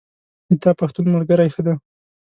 د تا پښتون ملګری ښه ده